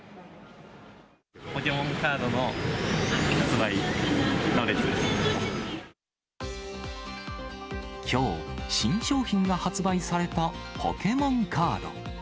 ポケモンカードの発売の列できょう、新商品が発売されたポケモンカード。